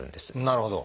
なるほど。